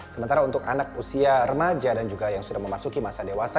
sementara untuk anak usia remaja dan juga yang sudah memasuki masa dewasa